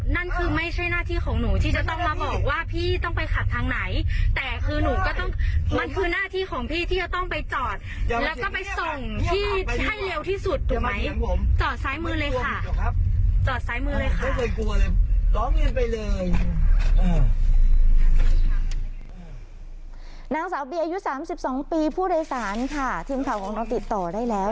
นางสาวบีอายุ๓๒ปีผู้โดยสารค่ะทีมข่าวของเราติดต่อได้แล้ว